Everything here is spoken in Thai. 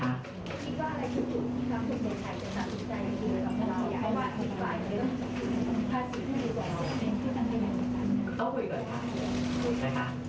เข้าบุยก่อนค่ะนะคะ